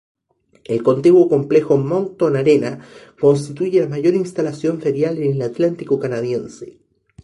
El contiguo complejo Moncton Arena constituye la mayor instalación ferial en el Atlántico canadiense.